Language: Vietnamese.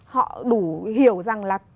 họ đủ hiểu rằng là